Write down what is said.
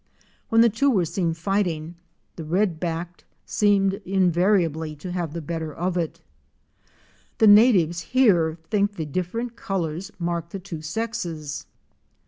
When the two were seen fighting, the Red backed seemed invariably to have the better of it. The natives here think the different colors mark the two Sexes.